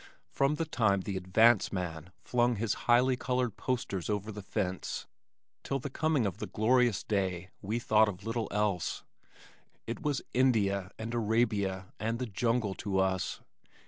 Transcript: From the time the "advance man" flung his highly colored posters over the fence till the coming of the glorious day we thought of little else. It was India and Arabia and the jungle to us.